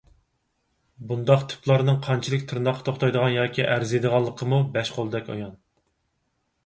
بۇنداق تىپلارنىڭ قانچىلىك تىرناققا توختايدىغان ياكى ئەرزىيدىغانلىقىمۇ بەش قولدەك ئايان.